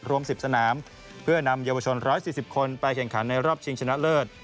รวม๑๐สนามเพื่อนำเยาวชน๑๔๐คนไปแข่งขันในรอบชิงชนะเลิศ